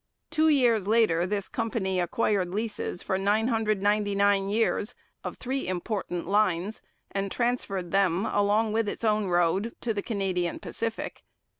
Two years later this company acquired leases for 999 years of three important lines, and transferred them, along with its own road, to the Canadian Pacific.